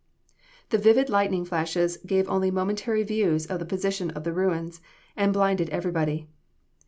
"The vivid lightning flashes only gave momentary views of the position of the ruins, and blinded everybody.